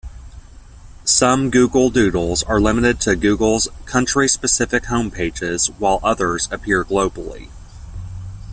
Some Google Doodles are limited to Google's country-specific home pages while others appear globally.